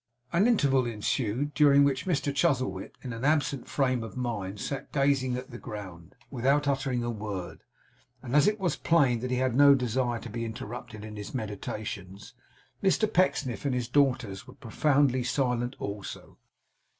An interval ensued, during which Mr Chuzzlewit, in an absent frame of mind, sat gazing at the ground, without uttering a word; and as it was plain that he had no desire to be interrupted in his meditations, Mr Pecksniff and his daughters were profoundly silent also.